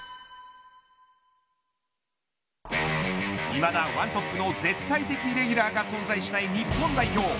いまだワントップの全体的レギュラーが存在しない日本代表